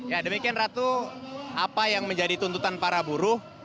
ya demikian ratu apa yang menjadi tuntutan para buruh